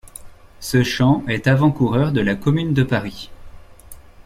Ce chant est avant-coureur de la Commune de Paris.